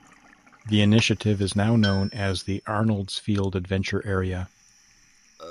The initiative is now known as the Arnoldsfield Adventure Area.